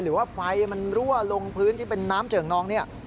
หรือว่าไฟมันรั่วลงพื้นที่เป็นน้ำเจิ่งนองเนี่ย